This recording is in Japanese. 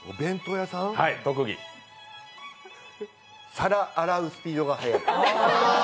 皿洗うスピードが速い！